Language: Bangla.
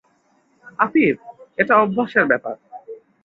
আফিফ: এটা অভ্যাসের ব্যাপার।